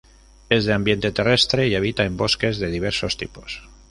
Es de ambiente terrestre y habita en bosques de diversos tipos.